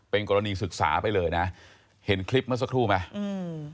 เป็นกรณีศึกษาไปเลยนะเห็นคลิปเมื่อสักครู่ไหมอืม